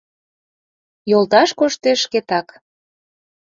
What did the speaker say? Йолташ коштеш шкетак.